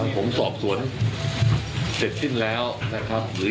ผมสอบสวนเสร็จสิ้นแล้วนะครับหรือ